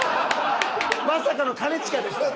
まさかの兼近でした。